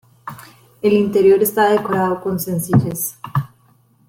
El interior está decorado con sencillez.